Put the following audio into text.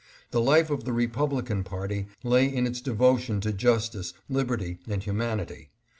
The life of the Republican party lay in its de votion to justice, liberty and humanity.